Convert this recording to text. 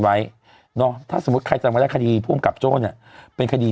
ไว้เนอะถ้าสมมุติใครจำก็ได้คดีภูมิกับโจ้เนี่ยเป็นคดี